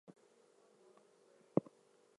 They create a diversion, free Dunbar, and hide him.